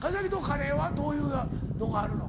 カレーはどういうのがあるの？